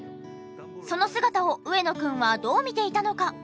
その姿を上野くんはどう見ていたのか？